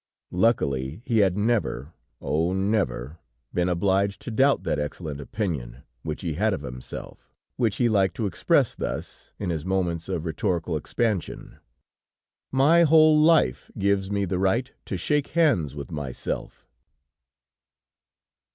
Luckily, he had never (oh! never), been obliged to doubt that excellent opinion which he had of himself, which he liked to express thus, in his moments of rhetorical expansion: "My whole life gives me the right to shake hands with myself."